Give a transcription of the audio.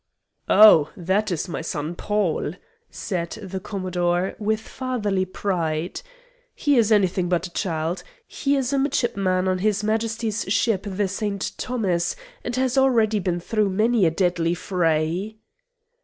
"Oh, that is my son Paul," said the Commodore, with fatherly pride. "He is anything but a child. He is a midshipman on his Majesty's ship the St. Thomas, and has already been through many a deadly fray."